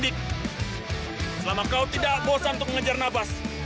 selama kau tidak bosan untuk mengejar nabas